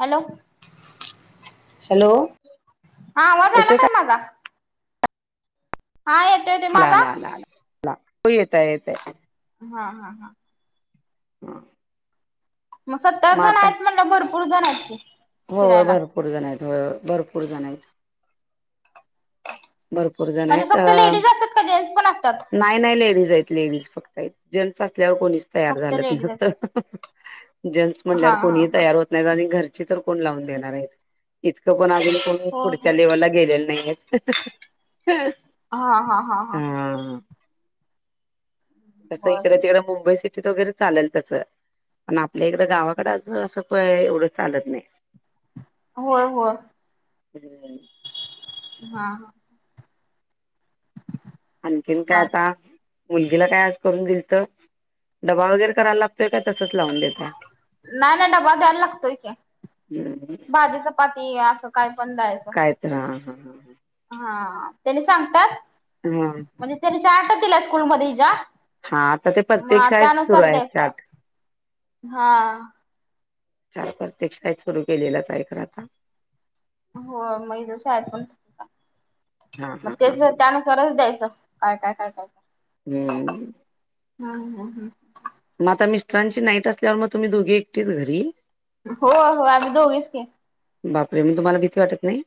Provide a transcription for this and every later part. Hello. Hello. हा आवाज आला का माझा? हा येतोय येतो आलाला ला ला ला ला त येतय येतय. हा हा हा. [unintelligible] मग सत्तर जण आहेत. म्हणल्यावर भरपूर जण आहेत की. हो फिरायला भरपूर जण आहेत. होय होय भरपूर जण आहेत. भरपूर जण म्हणजे आहेत. फक्त अ लेडीज असतात का जेंट्स पण असतात नाही नाही लेडीज आहेत. लेडीज फक्त आहेत. जेंट्स असल्यावर कोण येत नाहीत. तयार फक्त झाल्यात लेडीज असतात भूत. जेट्स म्हणल्यावर हा हा कोणी हा तयार होत नाहीत. आणि घरची तर कोण लावून देणार आहेत. इतकं पण अजून को ण हो हो पुढच्या लेवलला गेलेल्या नाहीय. हा हा हा हा. तसं होय इकड तिकडं मुंबई सिटीत वगैरे चालल तसं. पण आपल्या इकडं गावाकड असं असं काय एवढं चालत नाही. होय होय. [unintelligible] नाही. आणखीन काय चालतंय. आता? मुलगीला काय आज करून दिलत? डबा वगैरे करायला लागतोय का? तसच लावून देत आहे. नाही नाही डबा द्यायला लागतोय की. हम्. भाजी, चपाती असं काय पण द्याय कायतर ह हा ह ह. हा त्यानी सांगतात. हा. म्हणजे त्यांनी चार्टच दिल्यात स्कूलमध्ये हिज्या. हा आता ते प्रत्येक शाळेत सुरू आहे द्यायचं चार्ट. हा चार्ट प्रत्येक शाळेत सुरू केलेलंच आहे खर आता. हो मग हिज्या शाळेत पण आहे आता. हां मग हां हां तेच गं त्यानुसारच द्यायचं. काय काय काय काय. हां [unintelligible] मग आता मिस्टरांची नाईट असल्यावर मग तुम्ही दोघी एकटीच घरी. हो हो. आम्ही दोघीच की. बापरे, मग तुम्हाला भीती वाटत नाही?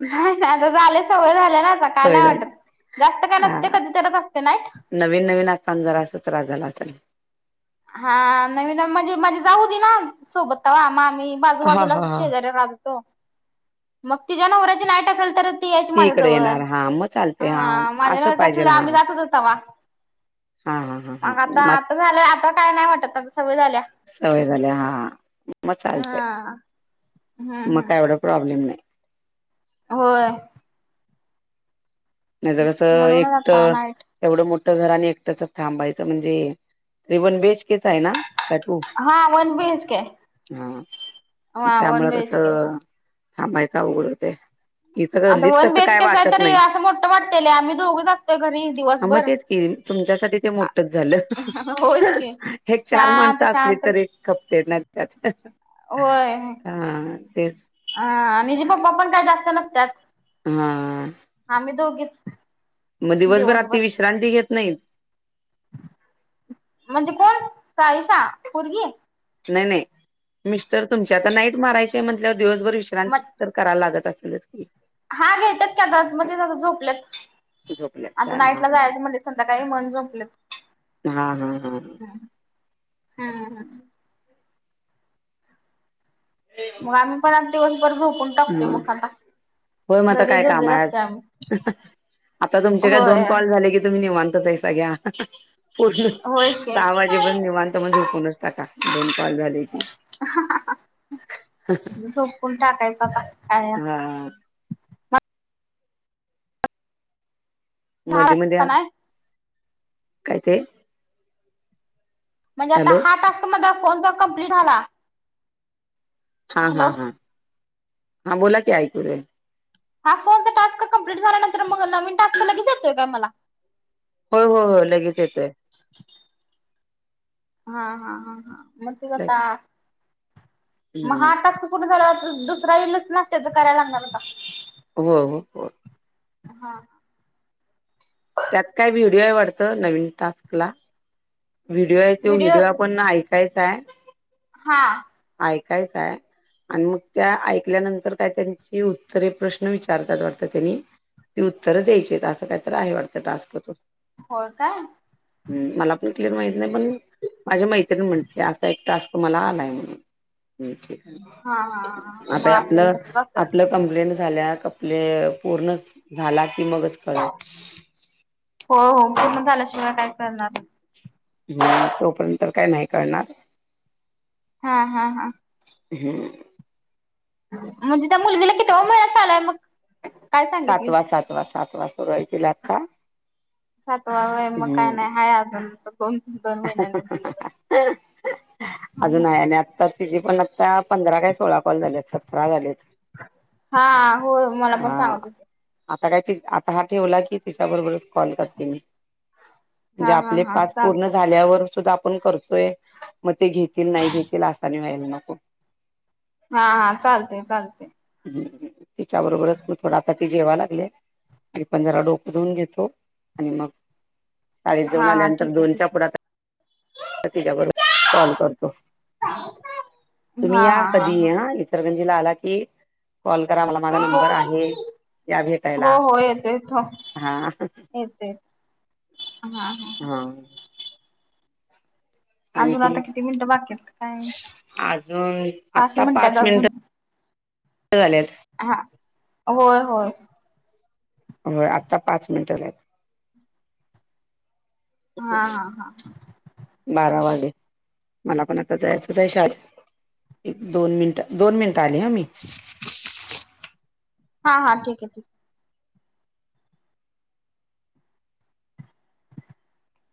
नाही नाही. आता झाल्या सवय झाल्या ना आता काय सवय नाही झाली वाटत. जास्त काय नसते हां कधी तरच असते नाईट. नवीन नवीन असतान जरास त्रास झाला असेल. हा नवीन म्हणजे माझी जाऊ होती ना सोबत तवा. मग आम्ही हां बाजूबाजूला हां हां शेजऱ्या राहत होतो. मग तिच्या नवऱ्याची नाईट असेल तर, ती यायची इकडे माझ्याजवळ येणार हां मग चालते हां हा. असं माझ्याच अस पाहिजेल हां आम्ही जातच होतो तवा. हां हां हां हां मग आता आता झालं आता काय नाही वाटत. आता सवय झाल्या. सवय झाल्या. हा हा म चालतय. हा हम्म मग हम्म काय एवढ प्रॉब्लेम नाही. होय नाही तर अस म्हणूनच एक आता तर नाईट एवढ मोठ घर आणि एकटच थांबायच म्हणजे ते वन बी एच के आहे ना? हां वन बी एच के आहे. त्यामुळ कस बीएच के थांबायच अवघड होतय. आता वन बी एच के आहे तरी अस मोठ वाटतय लई आम्ही दोघच असतोय घरी. हा मग दिवसभर तेच की तुमच्यासाठी ते मोठच झाल. होयच की एक चार शांत माणस असली शांत तरी खपतील नाही तर. होय आणि हीचे पप्पा पण काही जास्त नसतात. हा आम्ही दोघीच. मग दिवसभरात दिवसभर ती विश्रांती घेत नाही. म्हणजे कोण साईशा पोरगी. नाही नाही मिस्टर तुमचे आता नाईट मारायची म्हटल्यावर दिवसभर विश्रांती मग तर करायला लागत असेलच की. हा घेतात की आता मधी जाऊन झोपलेत. झोपल्यात आता काय हा नाईटला जायच म्हनल संध्याकाळी म्हनून झोपलेत. हम्म हम्म हम् हां मग आम्ही पण आज दिवसभर झोपून ह टाकतोय मग आता. होय मग आता घरी काय काम दोघीच आहे असतोय आम्ही. आज. आता तुमचे काय होय दोन कॉल झाले की तुम्ही निवांतच आहे सगळ्या. पूर्ण होयच की. सहा वाजेपर्यंत पण निवांत मग झोपूनच टाका दोन कॉल झाले की. झोपून टाकायचा आता काय हा मध्ये मध्ये का नाही काय ते? म्हणजे आता हॅलो हा टास्क [unintelligible] फोनचा कम्प्लीट झाला. हा हा हॅलो हा हा बोला की ऐकू येतय. हा फोनचा टास्क कंप्लीट झाल्यानंतर मग नवीन टास्क लगेच येतोय का मला? होय होय हो लगेच येतोय. हां हां हां हां मग ते [unintelligible] आता लगेच मग हम्म हा टास्क पूर्ण झाल्यावर दुसरा येईलच ना त्याच करायला लागणार का? हो हो हां त्यात काय व्हिडिओ आहे वाटत नवीन टास्कला. व्हिडिओ आहे तो व्हिडिओ आपण ऐकायचाय. हां ऐकायचाय. आणि मग त्या ऐकल्यानंतर काय तरी ही उत्तरे प्रश्न विचारतात वाटत त्यांनी. ती उत्तर द्यायची अस काहीतरी आहे वाटत टास्क तो. होय का. ह मला पण क्लिअर माहित नाही पण माझी मैत्रिणी म्हंटली असा एक टास्क. मला आलाय म्हणून हा हा हा [unintelligible] मग आता आपल असेल तसच असेल. आपल. कंप्लिंट झाल्या कंप्ले पूर्णच झाला कि मगच कळेल. हो हो पूर्ण झाल्याशिवाय काय कळणार नाही. हम्म तोपर्यंत तर काय नाही कळणार. हां हां हां हम्म म्हणजे त्या मुलगीला कितवा महिना चालूय, मग. काय सांगितली? सातवा सातवा सातवा सुरु हाय तिला आता. सातवा होय, म काय नाही हम्म हाय अजून दोन [inaudible] डिलिव्हरी. अजून हाय आणि आता तिजे पण आता पंधरा काय सोळा कॉल झालेत, सतरा झालेत. हा होय मला पण हा सांगत हो आता काय ती, आता हा ठेवला की तिच्या बरोबरच कॉल करते मी. म्हणजे हा हा आपले हा पाच पूर्ण झा चालतंय ल्यावर सुद्धा आपण करतोय, मग ते घेतील नाही घेतील असा आणि व्हायला नको. हा हा, चालतय चालतय. हम्म, तिच्या बरोबरच म थोडा आता ते जेवा लागलेत, मी पण जरा डोक धूऊन घेतो, आणि मग शाळेत जाऊन हा हा आल्यानंतर ठीक आहे ठीक दोनच्या आहे. पुढात तिच्याबरोबर कॉल करतो, तुम्ही या कधी ही हा इच इचलकरंजी ला आला की कॉल करा मला माझा नंबर आहे, या भेटायला हो हा. ये ते [unintelligible] हा आणि अजून की आता किती मिनिटं बाकी आहेत काय [unintelligible] अजून आत्ता मिनिटात पाच मिनिट अजून झाल्यात हा, होय होय. होय, आत्ता पाच मिनट झाल. हा हा हा बारा वाजले, मला पण आता जायचंच आहे शाळे एक-दोन मिनटं, दोन मिनटं आले हा मी. हा हा, ठीक हे.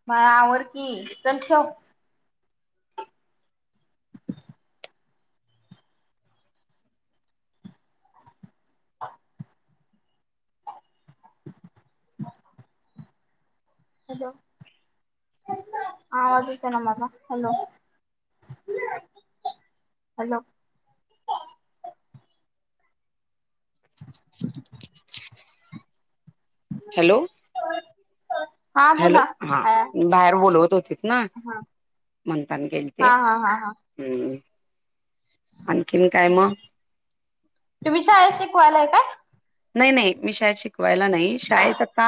बाळा आवर की, चल चल [unintelligible] [unintelligible] हॅलो आवाज येतोय ना माझा, हॅलो हॅलो हॅलो हा हॅलो, बोला हा बाहेर बोलवत होतीत ना. हा म्हणताना गेली ते, हा हा हा हा हम्म आणखीन काय मग? तुम्ही शाळेत शिकवायलाय काय? नाही नाही, मी शाळेत शिकवायला नाही शाळेत आता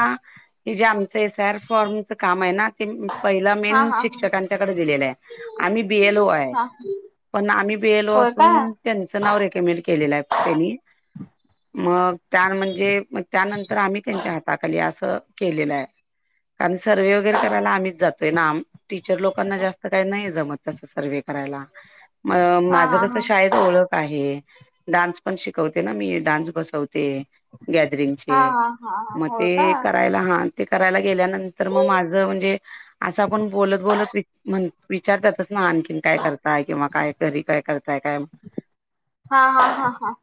हे जे आमचं एस आय आर फॉर्मच काम आहे ना, ते पहिला हा मेन हा शिक्षकांच्याकड दिलेलं आहे. आम्ही बी एल ओ आहे, हा पण आम्ही बी एल ओ होय का असून त्यांच नाव रीकमेंड केलेलं आहे त्यांनी मग त्या म्हणजे त्यानंतर आम्ही त्यांच्या हाताखाली असं केलेलं आहे. कारण सर्व्हे वगैरे करायला आम्हीच जातोय ना, आम टीचर लोकांना जास्त काय नाही जमत तस सर्व्हे करायला, म हा माझं हा कस हा शाळेत ओळख आहे डान्स पण शिकवते ना मी, डान्स बसवते हा गॅदरिंग हा हा हा मग होय का ते कराय हा ते करायला गेल्यानंतर मग माझ म्हणजे असं आपण बोलत बोलत म्हण विचारतातच ना आणखीन काय करताय किंवा काय घरी काय करताय काय हा हा हा हा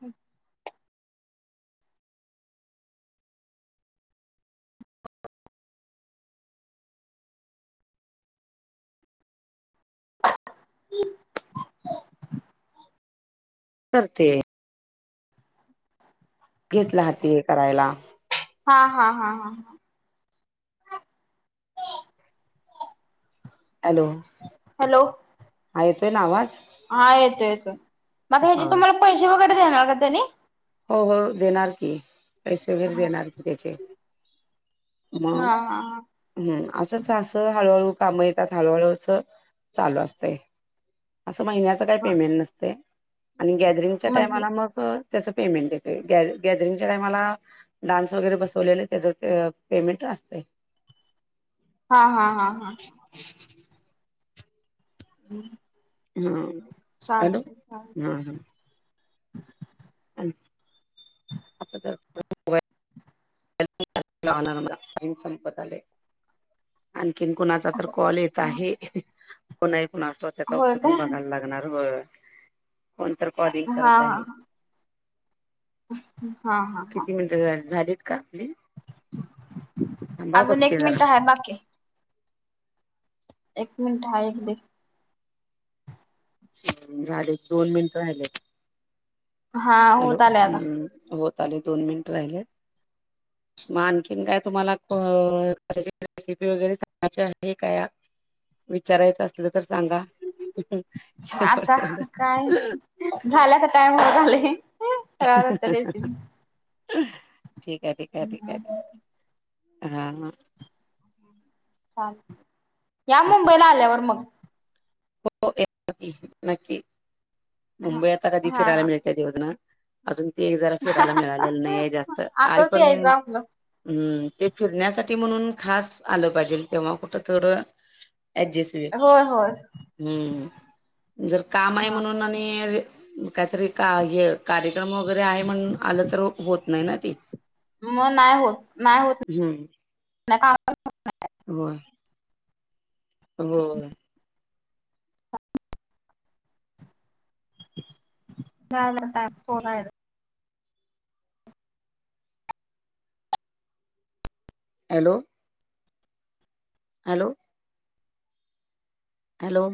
[inaudible] करते. घेतल हाती हे करायला. हा हा हा हा हॅलो हॅलो हा, येतोय ना आवाज हा येतो येतो मग हा ह्याचे तुम्हाला पैसे वगैरे देणार का त्यानी हो हो देणार की पैसे वगैरे हा देणार की त्याचे मग हा हम्म असंच असं हळूहळू काम येतात, हळूहळू असं चालू असतंय. अस महिन्याच काही हा पेमेंट नसते आणि गॅदरिंगच्या म्हणजे टायमाला मग त्याच पेमेंट देतेत गॅदरिंगच्या टाइमाला डान्स वगैरे बसवलेले त्याचं ते पेमेंट असतेय. हा हा हा हा हम्म हम्म छान हम्म हम्म [inaudible] संपत आलय. आणखीन कुणाचा तर कॉल येत आहे कोणा एक कोणाचा तर ते आता होय उचलून काय बघायला लागणार होय, कोण कॉलिंग हा हा करतय. हा हा हा हा मिनिटं झा झालीत का आपली थांबा अजून बघते एक मिनिट जरा आहे बाकी एक मिनिट हा एक दे झाले दोन मिनिट राहिलेत. हा, हॅलो होत आले आता हम्म, हो त आलेत दोन मिनिट राहिले. [unintelligible] म आणखीन काय तुम्हाला क रेसिपी वगैरे सांगायची आहे काय विचारायचं असलं तर सांगा जेवढ तेवढ झाल्या का टायम ठीक आहे ठीक आहे ठीक आहे हा हा हा, या मुंबईला आल्यावर मग हो येतो की, नक्की हा मुंबई आता कधी फिरायला हा मिळते देव जाणे अजून ते एक जरा फिरायला मिळालेलं नाहीये जास्त आई असंच पण यायचं आपलं हम्म, ते फिरण्यासाठी म्हणून खास आलं पाहिजे तेव्हा कुठं थोडं ऍडजेस्ट होय होय. हम्म जर काम आहे हा म्हणून आणि, काहीतरी का हे कार्यक्रम वगैरे आहे म्हणून आलं तर होत नाही ना त मग नाही होत नाही होत का होय. होय. झालं आता फोन याॅड. Hello hello hello